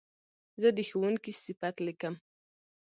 زه د ښوونکي صفت لیکم.